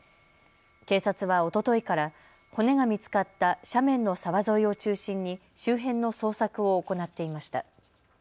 警察はおとといから骨が見つかった斜面の沢沿いを中心に周辺の捜索を行っていました。